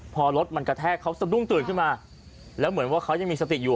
พอรถมันกระแทกเขาสะดุ้งตื่นขึ้นมาแล้วเหมือนว่าเขายังมีสติอยู่